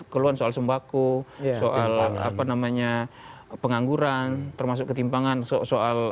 keluhan soal sembako soal apa namanya pengangguran termasuk ketimpangan soal